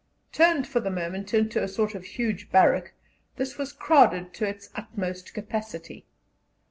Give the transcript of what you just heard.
Turned for the moment into a sort of huge barrack, this was crowded to its utmost capacity.